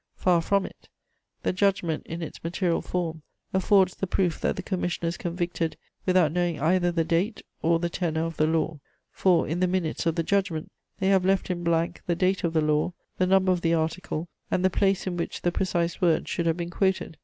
Far from it: the judgment in its material form affords the proof that the commissioners convicted without knowing either the date or the tenor of the law; for, in the minutes of the judgment, they have left in blank the date of the law, the number of the article, and the place in which the precise words should have been quoted.